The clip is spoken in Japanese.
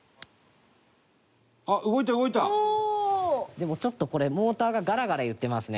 でも、ちょっと、これモーターがガラガラいってますね。